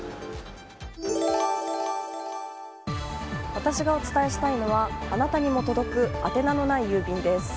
私がお伝えしたいのはあなたにも届く宛て名のない郵便です。